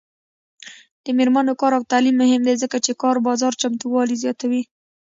د میرمنو کار او تعلیم مهم دی ځکه چې کار بازار چمتووالي زیاتوي.